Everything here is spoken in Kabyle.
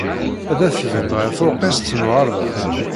Ad adfent ɣer tuṛkist n uɣerbaz.